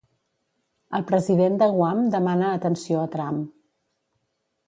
El president de Guam demana atenció a Trump.